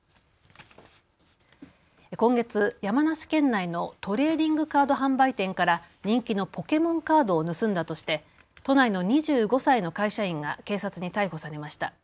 今月、山梨県内のトレーディングカード販売店から人気のポケモンカードを盗んだとして都内の２５歳の会社員が警察に逮捕されました。